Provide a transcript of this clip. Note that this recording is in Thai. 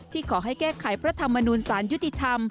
ขอให้แก้ไขพระธรรมนูลสารยุติธรรม